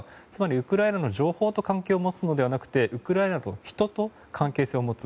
ウクライナの情報と関係をを持つのではなくてウクライナの人と関係性を持つ。